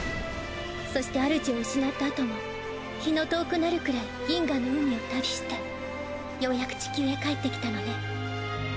そしてあるじを失ったあとも気の遠くなるくらい銀河の海を旅してようやく地球へ帰ってきたのね。